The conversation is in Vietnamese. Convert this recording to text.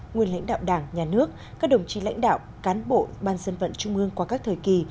nguyên lãnh đạo đảng nhà nước các đồng chí lãnh đạo cán bộ ban dân vận trung ương qua các thời kỳ